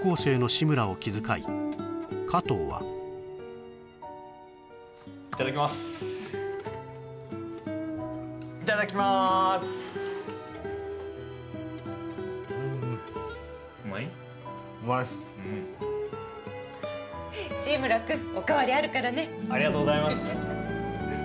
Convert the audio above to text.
志村君おかわりあるからねありがとうございます